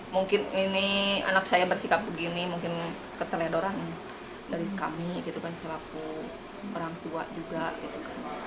mungkin ini anak saya bersikap begini mungkin keteledoran dari kami gitu kan selaku orang tua juga gitu kan